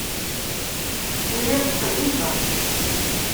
Lliɣ ttqellibeɣ-tt.